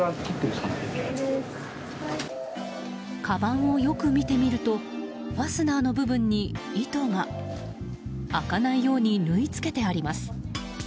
かばんをよく見てみるとファスナーの部分に糸が、開かないように縫い付けてあります。